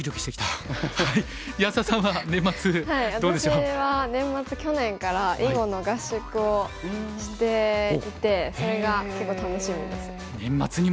私は年末去年から囲碁の合宿をしていてそれが結構楽しみですね。